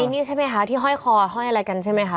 นี่ใช่ไหมคะที่ห้อยคอห้อยอะไรกันใช่ไหมคะ